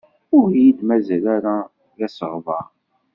Ur iyi-d-mazal ara d asegbar.